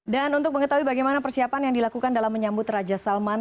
dan untuk mengetahui bagaimana persiapan yang dilakukan dalam menyambut raja salman